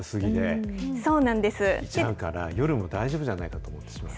だから夜も大丈夫なんじゃないかと思うんですよね。